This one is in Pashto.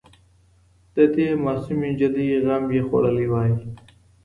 د دې معصومي نجلۍ غم یې خوړلی وای